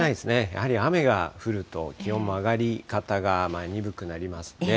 やはり雨が降ると、気温も上がり方が鈍くなりますね。